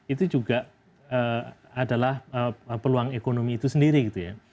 itu juga adalah peluang ekonomi itu sendiri gitu ya